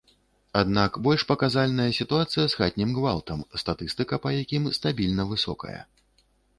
Аднак больш паказальная сітуацыя з хатнім гвалтам, статыстыка па якім стабільна высокая.